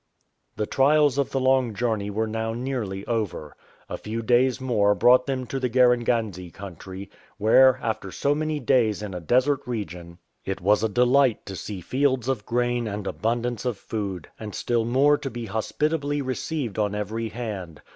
The trials of the long journey were now nearly over. A few days more brought them to the Garenganze country, where, after so many days in a desert region, 1 66 RECEPTION BY MSIDI it was a delight to see fields of grain and abundance of food, and still more to be hospitably received on every hand.